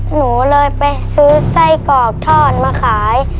หนูเลยไปซื้อไส้กรอกทอดมาขาย